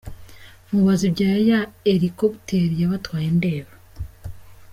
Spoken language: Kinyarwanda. Mubaza ibya ya hélicoptère yabatwaye ndeba.